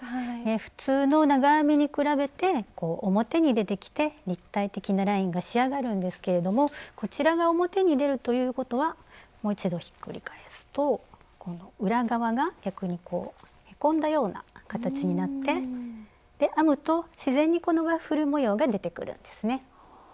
普通の長編みに比べて表に出てきて立体的なラインが仕上がるんですけれどもこちらが表に出るということはもう一度ひっくり返すと裏側が逆にこうへこんだような形になってで編むと自然にこのワッフル模様が出てくるんですね。